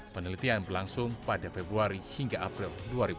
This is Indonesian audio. penelitian berlangsung pada februari hingga april dua ribu dua puluh